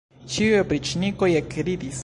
Ĉiuj opriĉnikoj ekridis.